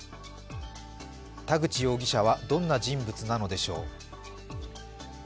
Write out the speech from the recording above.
田口容疑者はどんな人物なのでしょう。